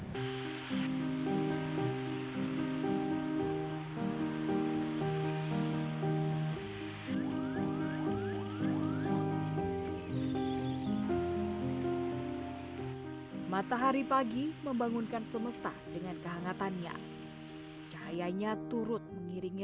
hai matahari pagi membangunkan semesta dengan kehangatannya cahayanya turut mengiringi